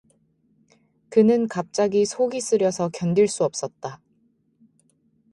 그는 갑자기 속이 쓰려서 견딜 수 없었다.